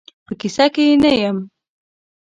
په کیسه کې یې نه یم.